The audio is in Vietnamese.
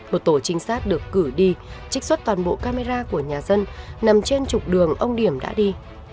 một tổ trinh sát được cử đi trích xuất toàn bộ camera của nhà dân nằm trên trục đường ông điểm đã đi